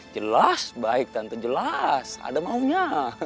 jelas baik tante jelas ada maunya